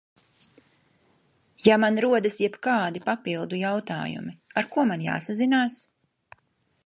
Ja man rodas jebkādi papildu jautājumi, ar ko man jāsazinās?